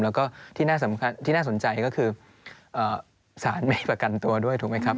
แล้วก็ที่น่าสนใจก็คือสารไม่ประกันตัวด้วยถูกไหมครับ